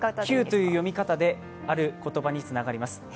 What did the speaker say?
「きゅう」という読み方で、ある言葉につながります。